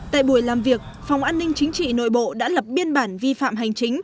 tại buổi làm việc phòng an ninh chính trị nội bộ đã lập biên bản vi phạm hành chính